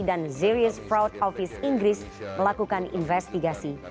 dan serious fraud office inggris melakukan investigasi